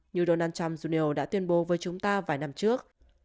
như donald trump jnio đã tuyên bố với chúng ta vài năm trước